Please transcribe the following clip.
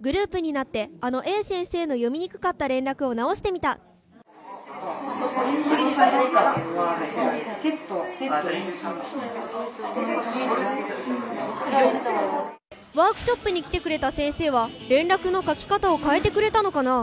グループになってあのＡ先生の読みにくかった連絡を直してみたワークショップに来てくれた先生は連絡の書き方を変えてくれたのかな？